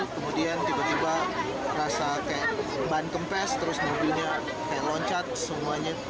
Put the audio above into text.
kemudian tiba tiba rasa kayak ban kempes terus mobilnya kayak loncat semuanya